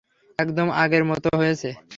একদম আগের মতো হয়ছে।